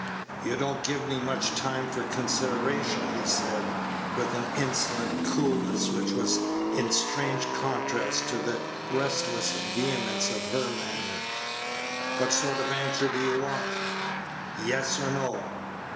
"You don't give me much time for consideration," he said, with an insolent coolness which was in strange contrast to the restless vehemence of her manner. "What sort of answer do you want?" "Yes or no."